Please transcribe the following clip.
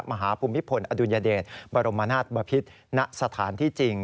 ภูมิพลอดุลยเดชบรมนาศบพิษณสถานที่จริง